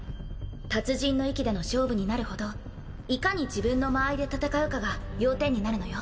達人の域での勝負になるほどいかに自分の間合いで戦うかが要点になるのよ